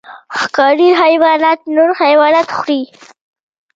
ښکاري حیوانات نور حیوانات خوري